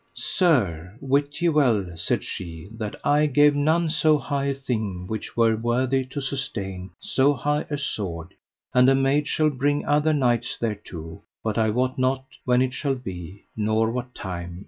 Sir, wit ye well, said she, that I have none so high a thing which were worthy to sustain so high a sword, and a maid shall bring other knights thereto, but I wot not when it shall be, nor what time.